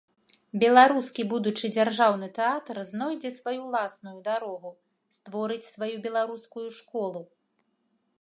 Беларускі будучы дзяржаўны тэатр знойдзе сваю ўласную дарогу, створыць сваю беларускую школу.